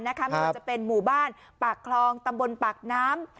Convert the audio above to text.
ไม่ว่าจะเป็นหมู่บ้านปากคลองตำบลปากน้ำ